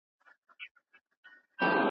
او حتی د استقلال د ګټونکي ,